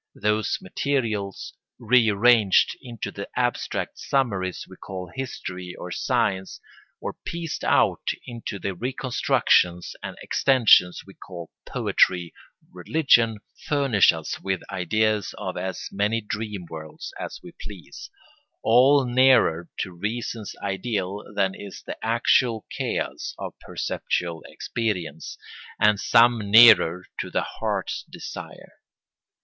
Those materials, rearranged into the abstract summaries we call history or science, or pieced out into the reconstructions and extensions we call poetry or religion, furnish us with ideas of as many dream worlds as we please, all nearer to reason's ideal than is the actual chaos of perceptual experience, and some nearer to the heart's desire.